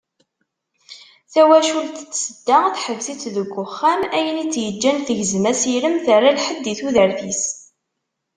Tawacult n Tsedda, teḥbes-itt deg uxxam, ayen i tt-yeǧǧan tegzem asirem, terra lḥedd i tudert-is.